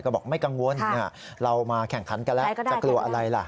ก็บอกไม่กังวลเรามาแข่งขันกันแล้วจะกลัวอะไรล่ะ